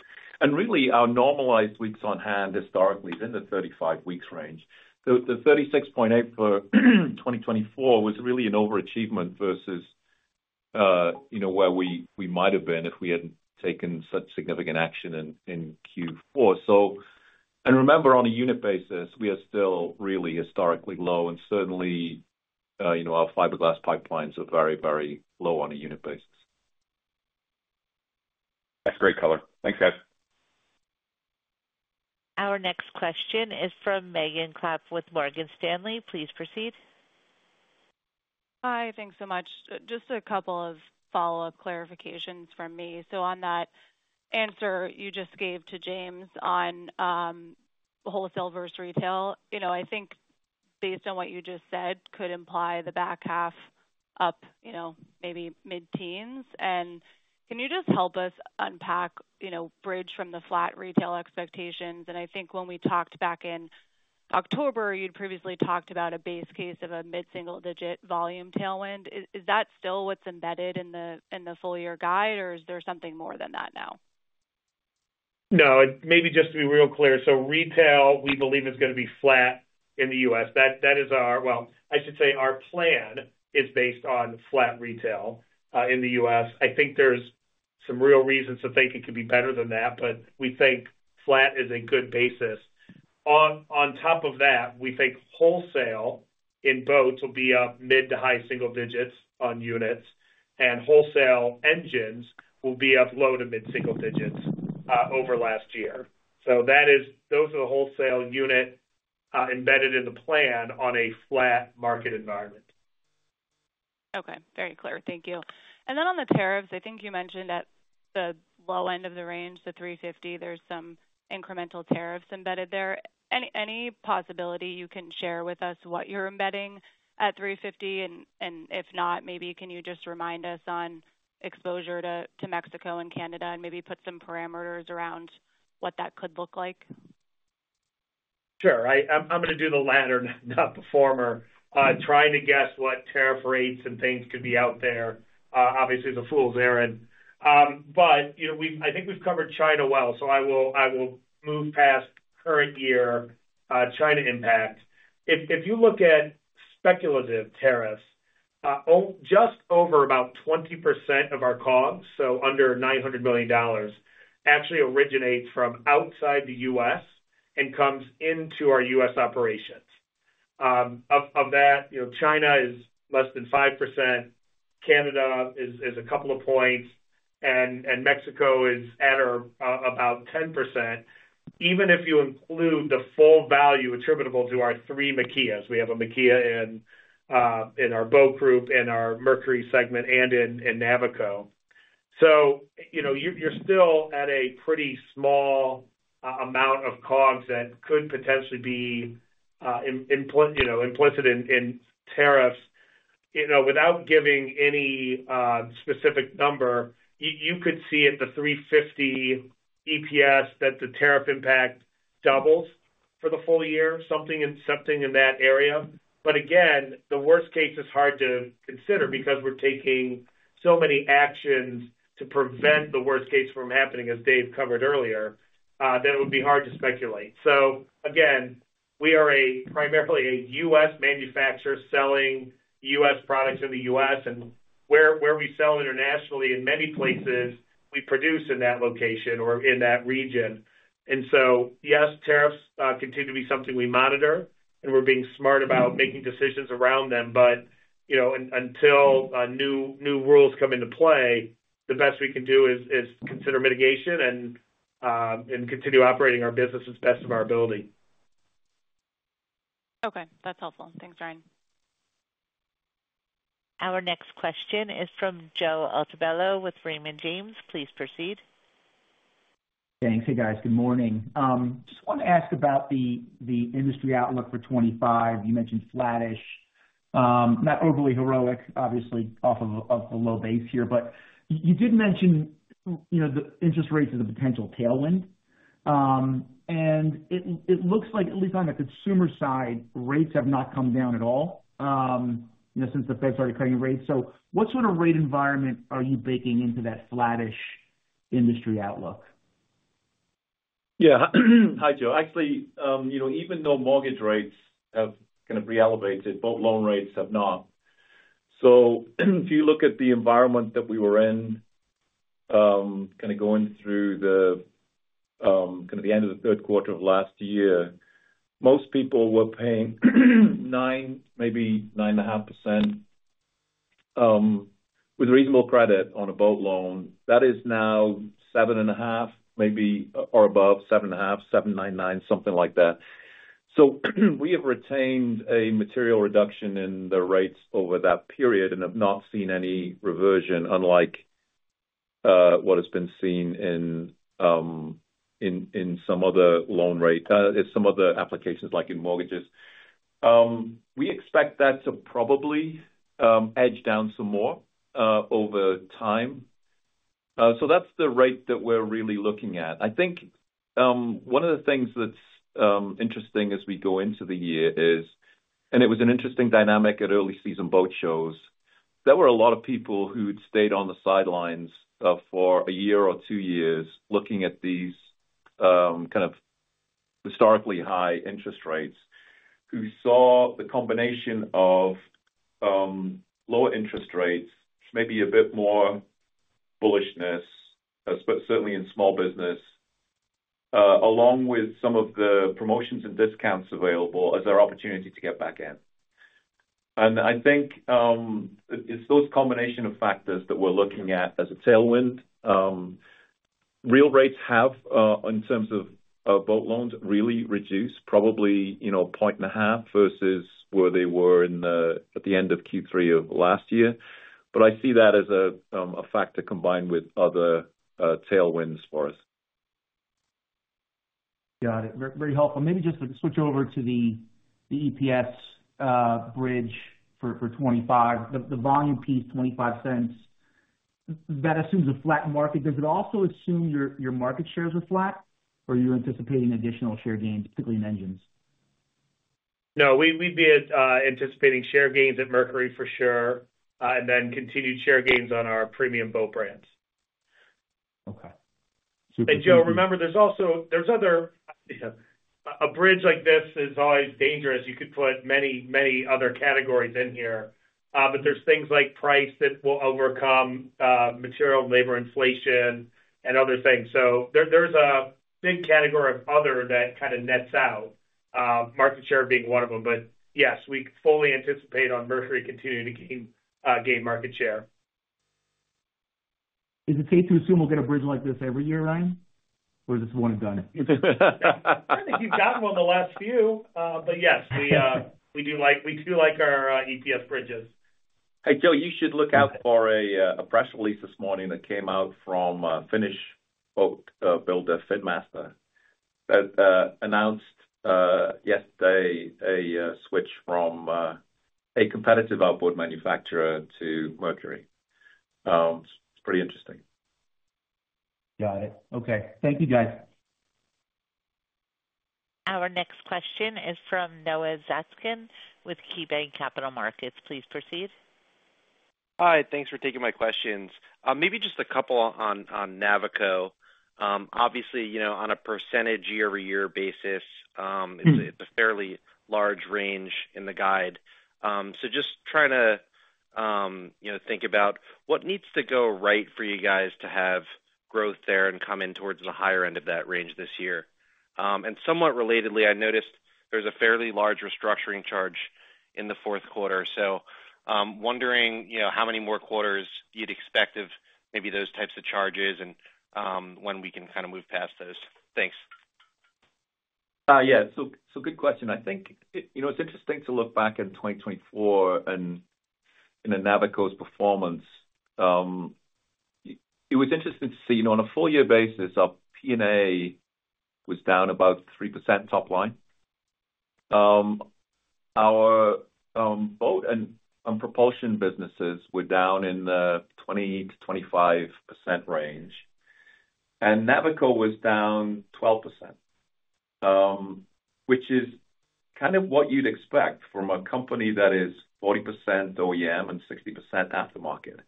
Really, our normalized weeks on hand historically is in the 35-week range. The 36.8 for 2024 was really an overachievement versus where we might have been if we hadn't taken such significant action in Q4. Remember, on a unit basis, we are still really historically low, and certainly, our fiberglass pipelines are very, very low on a unit basis. That's great, Cutler. Thanks, guys. Our next question is from Megan Klapp with Morgan Stanley. Please proceed. Hi. Thanks so much. Just a couple of follow-up clarifications from me. So on that answer you just gave to James on wholesale versus retail, I think based on what you just said could imply the back half up maybe mid-teens. Can you just help us unpack, bridge from the flat retail expectations? I think when we talked back in October, you'd previously talked about a base case of a mid-single-digit volume tailwind. Is that still what's embedded in the full-year guide, or is there something more than that now? No. Maybe just to be real clear, so retail, we believe, is going to be flat in the U.S. That is our, well, I should say our plan is based on flat retail in the U.S. I think there's some real reasons to think it could be better than that, but we think flat is a good basis. On top of that, we think wholesale in boats will be up mid to high single digits on units, and wholesale engines will be up low to mid-single digits over last year. So those are the wholesale unit embedded in the plan on a flat market environment. Okay. Very clear. Thank you. Then on the tariffs, I think you mentioned at the low end of the range, the 350, there's some incremental tariffs embedded there. Any possibility you can share with us what you're embedding at 350? If not, maybe can you just remind us on exposure to Mexico and Canada and maybe put some parameters around what that could look like? Sure. I'm going to do the latter, not the former, trying to guess what tariff rates and things could be out there. Obviously, the fool's errand, but I think we've covered China well, so I will move past current year China impact. If you look at speculative tariffs, just over about 20% of our COGS, so under $900 million, actually originates from outside the U.S. and comes into our U.S. operations. Of that, China is less than 5%. Canada is a couple of points, and Mexico is at about 10%. Even if you include the full value attributable to our three maquiladoras, we have a maquiladora in our boat group, in our Mercury segment, and in Navico. So you're still at a pretty small amount of COGS that could potentially be implicit in tariffs. Without giving any specific number, you could see at the 350 EPS that the tariff impact doubles for the full year, something in that area. But again, the worst case is hard to consider because we're taking so many actions to prevent the worst case from happening, as Dave covered earlier, that it would be hard to speculate. Again, we are primarily a U.S. manufacturer selling U.S. products in the U.S. Where we sell internationally, in many places, we produce in that location or in that region. Yes, tariffs continue to be something we monitor, and we're being smart about making decisions around them. But until new rules come into play, the best we can do is consider mitigation and continue operating our business as best of our ability. Okay. That's helpful. Thanks, Ryan. Our next question is from Joe Altobello with Raymond James. Please proceed. Thanks. Hey, guys. Good morning. Just wanted to ask about the industry outlook for '25. You mentioned flattish, not overly heroic, obviously, off of a low base here. But you did mention the interest rates as a potential tailwind. It looks like, at least on the consumer side, rates have not come down at all since the Fed started cutting rates. What rate environment are you baking into that flattish industry outlook? Yeah. Hi, Joe. Actually, even though mortgage rates havere-elevated, boat loan rates have not. So if you look at the environment that we were in, going through the end of the third quarter of last year, most people were paying 9%, maybe 9.5% with reasonable credit on a boat loan. That is now 7.5%, maybe or above 7.5%, 7.99%, something like that. So we have retained a material reduction in the rates over that period and have not seen any reversion, unlike what has been seen in some other loan rate in some other applications, like in mortgages. We expect that to probably edge down some more over time. So that's the rate that we're really looking at. I think one of the things that's interesting as we go into the year is, and it was an interesting dynamic at early season boat shows, there were a lot of people who had stayed on the sidelines for a year or two years looking at these historically high interest rates who saw the combination of lower interest rates, maybe a bit more bullishness, but certainly in small business, along with some of the promotions and discounts available as their opportunity to get back in. I think it's those combination of factors that we're looking at as a tailwind. Real rates have, in terms of boat loans, really reduced, probably 0.5 versus where they were at the end of Q3 of last year. But I see that as a factor combined with other tailwinds for us. Got it. Very helpful. Maybe just to switch over to the EPS bridge for 2025, the volume piece, $0.25, that assumes a flat market. Does it also assume your market shares are flat, or are you anticipating additional share gains, particularly in engines? No, we'd be anticipating share gains at Mercury, for sure, and then continued share gains on our premium boat brands. Okay. Super. Joe, remember, there's other arbitrage like this is always dangerous. You could put many, many other categories in here. But there's things like price that will overcome material, labor, inflation, and other things. So there's a big category of other that nets out, market share being one of them. But yes, we fully anticipate on Mercury continuing to gain market share. Is it safe to assume we'll get a bridge like this every year, Ryan? Or is this one and done? I think you've gotten one in the last few. But yes, we do like our EPS bridges. Hey, Joe, you should look out for a press release this morning that came out from Finnish boat builder FinnMaster that announced yesterday a switch from a competitive outboard manufacturer to Mercury. It's pretty interesting. Got it. Okay. Thank you, guys. Our next question is from Noah Zaskin with KeyBank Capital Markets. Please proceed. Hi. Thanks for taking my questions. Maybe just a couple on Navico. Obviously, on a percentage year-over-year basis, it's a fairly large range in the guide, so just trying to think about what needs to go right for you guys to have growth there and come in towards the higher end of that range this year, and somewhat relatedly, I noticed there's a fairly large restructuring charge in the fourth quarter, so wondering how many more quarters you'd expect of maybe those types of charges and when we can move past those. Thanks. Yeah. So good question. I think it's interesting to look back at 2024 and in Navico's performance. It was interesting to see on a full-year basis, our P&A was down about 3% top line. Our boat and propulsion businesses were down in the 20%-25% range. Navico was down 12%, which is what you'd expect from a company that is 40% OEM and 60% aftermarket.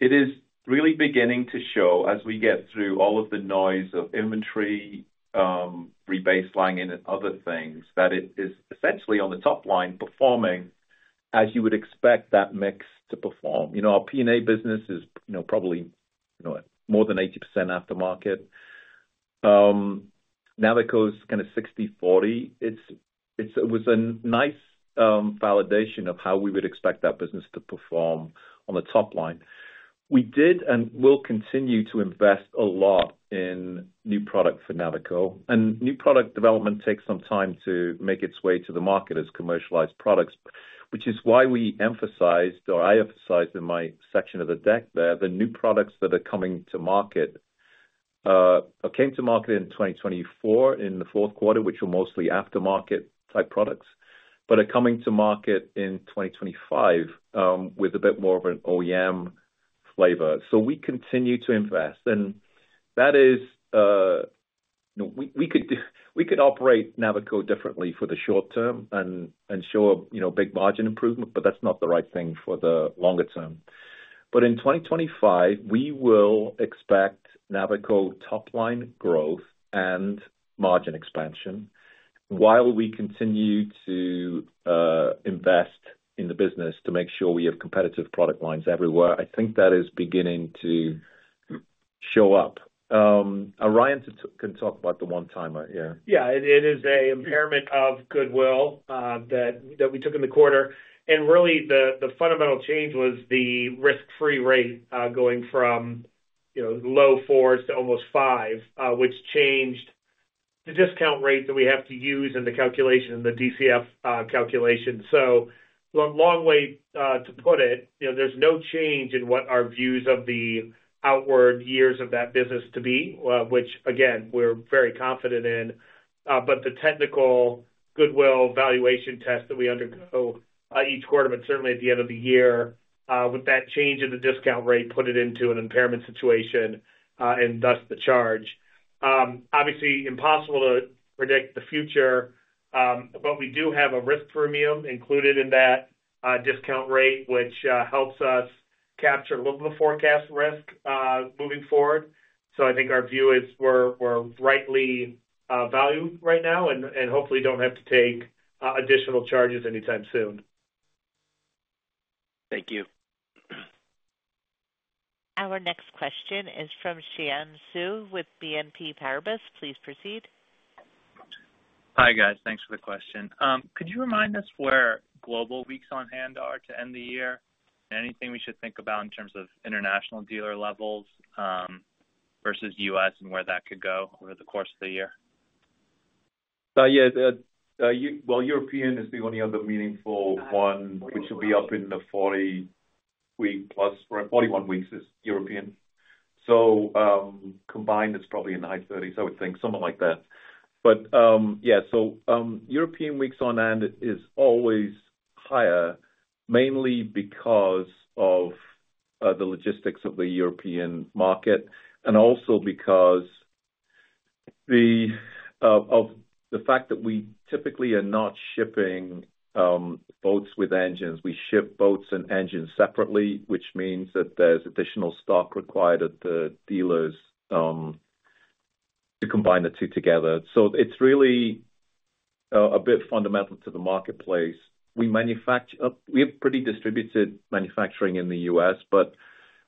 It is really beginning to show, as we get through all of the noise of inventory, rebaseline, and other things, that it is essentially on the top line performing as you would expect that mix to perform. Our P&A business is probably more than 80% aftermarket. Navico is 60/40. It was a nice validation of how we would expect that business to perform on the top line. We did and will continue to invest a lot in new product for Navico, and new product development takes some time to make its way to the market as commercialized products, which is why we emphasized, or I emphasized in my section of the deck there, the new products that are coming to market or came to market in 2024 in the fourth quarter, which were mostly aftermarket-type products, but are coming to market in 2025 with a bit more of an OEM flavor, so we continue to invest, and that is, we could operate Navico differently for the short term and show a big margin improvement, but that's not the right thing for the longer term, but in 2025, we will expect Navico top-line growth and margin expansion while we continue to invest in the business to make sure we have competitive product lines everywhere. I think that is beginning to show up. Ryan can talk about the one-timer here. Yeah. It is an impairment of goodwill that we took in the quarter. Really, the fundamental change was the risk-free rate going from low fours to almost five, which changed the discount rate that we have to use in the calculation and the DCF calculation. So a long way to put it, there's no change in what our views of the out years of that business to be, which, again, we're very confident in. But the technical goodwill valuation test that we undergo each quarter, but certainly at the end of the year, with that change in the discount rate, put it into an impairment situation and thus the charge. Obviously, impossible to predict the future, but we do have a risk premium included in that discount rate, which helps us capture a little bit of forecast risk moving forward. So, I think our view is we're rightly valued right now and hopefully don't have to take additional charges anytime soon. Thank you. Our next question is from Xiang Xu with BNP Paribas. Please proceed. Hi, guys. Thanks for the question. Could you remind us where Global Weeks on Hand are to end the year? Anything we should think about in terms of international dealer levels versus U.S. and where that could go over the course of the year? Yeah. Well, European is the only other meaningful one, which will be up in the 40-week plus. 41 weeks is European. So combined, it's probably in the high 30s, I would think, something like that. But yeah, so European Weeks on Hand is always higher, mainly because of the logistics of the European market and also because of the fact that we typically are not shipping boats with engines. We ship boats and engines separately, which means that there's additional stock required at the dealers to combine the two together. So it's really a bit fundamental to the marketplace. We have pretty distributed manufacturing in the U.S., but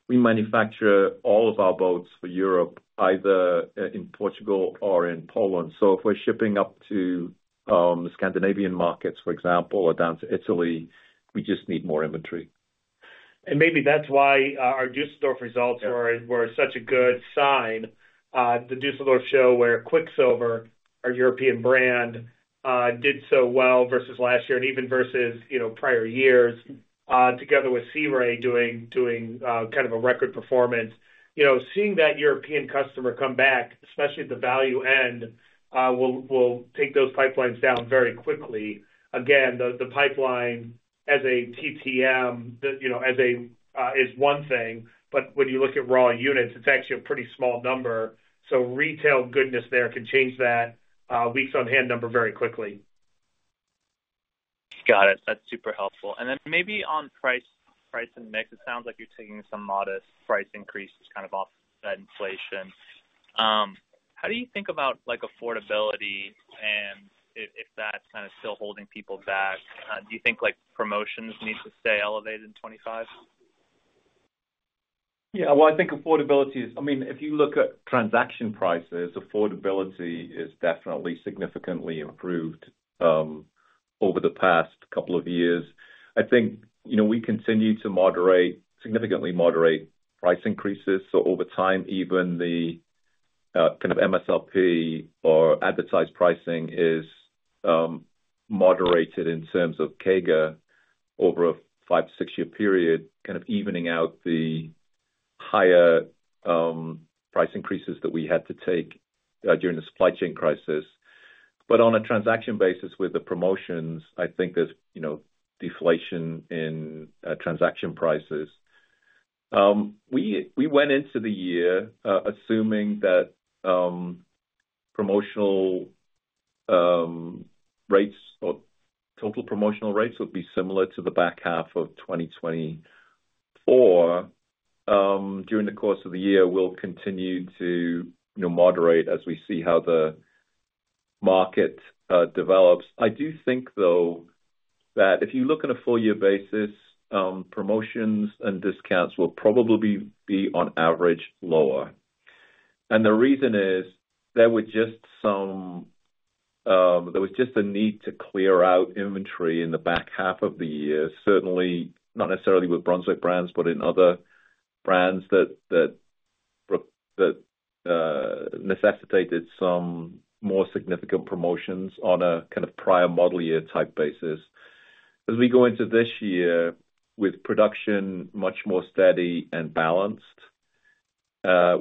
we manufacture all of our boats for Europe, either in Portugal or in Poland. So if we're shipping up to Scandinavian markets, for example, or down to Italy, we just need more inventory. Maybe that's why our Düsseldorf results were such a good sign. The Düsseldorf show, where Quicksilver, our European brand, did so well versus last year and even versus prior years, together with Sea Ray doing a record performance. Seeing that European customer come back, especially at the value end, will take those pipelines down very quickly. Again, the pipeline as a TTM is one thing, but when you look at raw units, it's actually a pretty small number. So retail goodness there can change that Weeks on Hand number very quickly. Got it. That's super helpful. then maybe on price and mix, it sounds like you're taking some modest price increases off that inflation. How do you think about affordability and if that's still holding people back? Do you think promotions need to stay elevated in 2025? Yeah. Well, I think affordability is, I mean, if you look at transaction prices, affordability is definitely significantly improved over the past couple of years. I think we continue to moderate, significantly moderate price increases. So over time, even theMSLP or advertised pricing is moderated in terms of CAGR over a five- to six-year period, evening out the higher price increases that we had to take during the supply chain crisis. But on a transaction basis with the promotions, I think there's deflation in transaction prices. We went into the year assuming that promotional rates or total promotional rates would be similar to the back half of 2024. During the course of the year, we'll continue to moderate as we see how the market develops. I do think, though, that if you look on a full-year basis, promotions and discounts will probably be on average lower, and the reason is there was just a need to clear out inventory in the back half of the year, certainly not necessarily with Brunswick brands, but in other brands that necessitated some more significant promotions on a prior model year type basis. As we go into this year with production much more steady and balanced,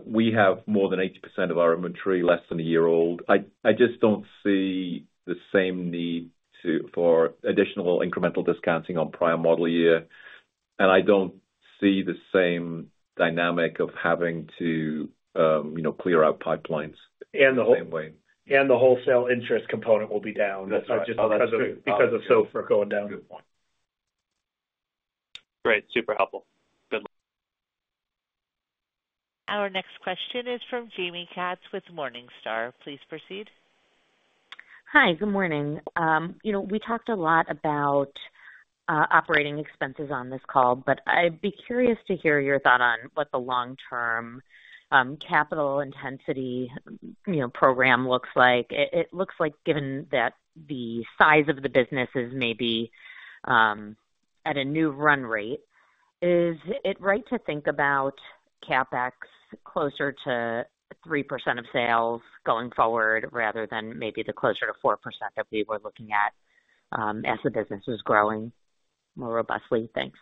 we have more than 80% of our inventory less than a year old. I just don't see the same need for additional incremental discounting on prior model year, and I don't see the same dynamic of having to clear out pipelines the same way. The wholesale interest component will be down because of SOFR going down. Great. Super helpful. Good luck. Our next question is from Jamie Katz with Morningstar. Please proceed. Hi. Good morning. We talked a lot about operating expenses on this call, but I'd be curious to hear your thought on what the long-term capital intensity program looks like. It looks like, given that the size of the business is maybe at a new run rate, is it right to think about CapEx closer to 3% of sales going forward rather than maybe the closer to 4% that we were looking at as the business was growing more robustly? Thanks.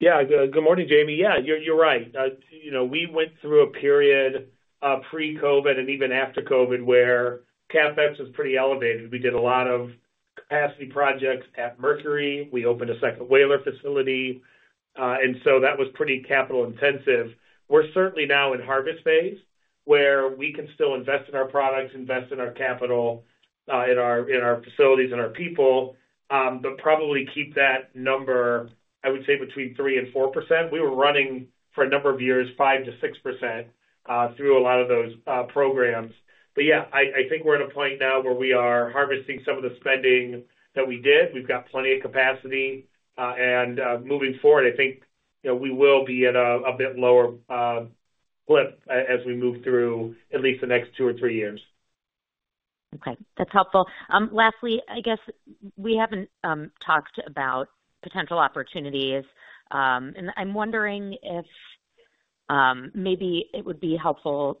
Yeah. Good morning, Jamie. Yeah, you're right. We went through a period pre-COVID and even after COVID where CapEx was pretty elevated. We did a lot of capacity projects at Mercury. We opened a second Wheeler facility. That was pretty capital-intensive. We're certainly now in harvest phase where we can still invest in our products, invest in our capital, in our facilities, and our people, but probably keep that number, I would say, between 3% and 4%. We were running for a number of years 5%-6% through a lot of those programs. But yeah, I think we're at a point now where we are harvesting some of the spending that we did. We've got plenty of capacity. Moving forward, I think we will be at a bit lower clip as we move through at least the next two or three years. Okay. That's helpful. Lastly, I guess we haven't talked about potential opportunities. I'm wondering if maybe it would be helpful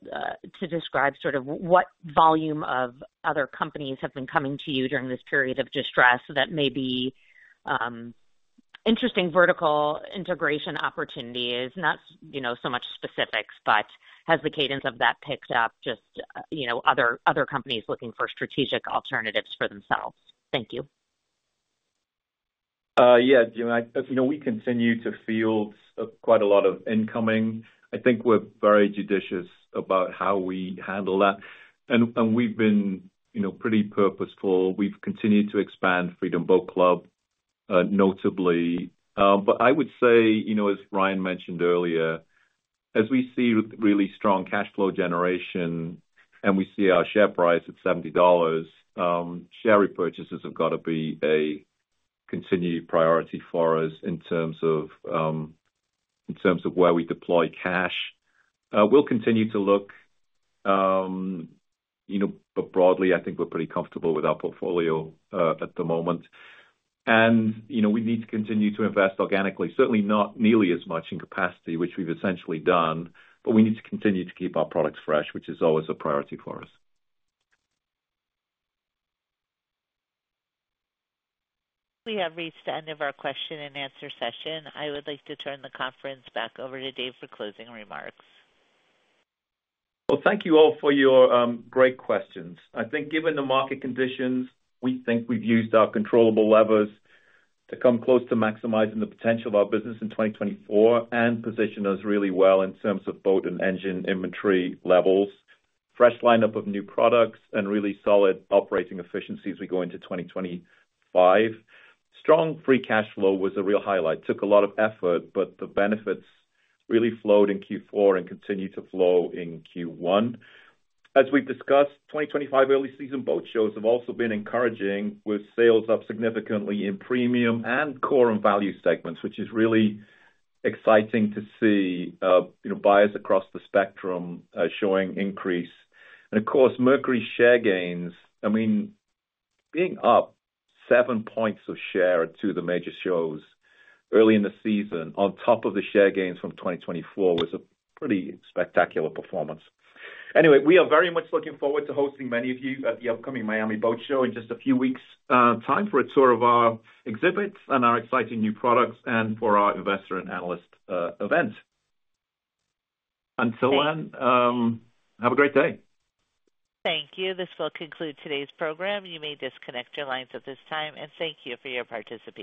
to describe what volume of other companies have been coming to you during this period of distress that may be interesting vertical integration opportunities, not so much specifics, but has the cadence of that picked up just other companies looking for strategic alternatives for themselves? Thank you. Yeah. We continue to field quite a lot of incoming. I think we're very judicious about how we handle that. And we've been pretty purposeful. We've continued to expand Freedom Boat Club notably. But I would say, as Ryan mentioned earlier, as we see really strong cash flow generation and we see our share price at $70, share repurchases have got to be a continued priority for us in terms of where we deploy cash. We'll continue to look. But broadly, I think we're pretty comfortable with our portfolio at the moment. We need to continue to invest organically, certainly not nearly as much in capacity, which we've essentially done, but we need to continue to keep our products fresh, which is always a priority for us. We have reached the end of our question-and-answer session. I would like to turn the conference back over to Dave for closing remarks. Thank you all for your great questions. I think given the market conditions, we think we've used our controllable levers to come close to maximizing the potential of our business in 2024 and position us really well in terms of boat and engine inventory levels, fresh lineup of new products, and really solid operating efficiencies as we go into 2025. Strong free cash flow was a real highlight. Took a lot of effort, but the benefits really flowed in Q4 and continue to flow in Q1. As we've discussed, 2025 early season boat shows have also been encouraging with sales up significantly in premium and core and value segments, which is really exciting to see buyers across the spectrum showing increase. Of course, Mercury's share gains, I mean, being up seven points of share to the major shows early in the season on top of the share gains from 2024 was a pretty spectacular performance. Anyway, we are very much looking forward to hosting many of you at the upcoming Miami Boat Show in just a few weeks' time for a tour of our exhibits and our exciting new products and for our investor and analyst event. Until then, have a great day. Thank you. This will conclude today's program. You may disconnect your lines at this time, and thank you for your participation.